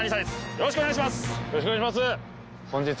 よろしくお願いします！